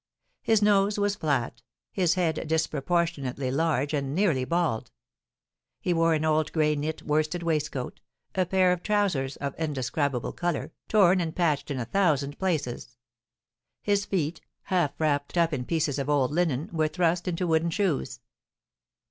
His nose was flat, his head disproportionately large and nearly bald; he wore an old gray knit worsted waistcoat, a pair of trousers of indescribable colour, torn and patched in a thousand places; his feet, half wrapped up in pieces of old linen, were thrust into wooden shoes.